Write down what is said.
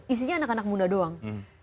isinya anak anak muda doang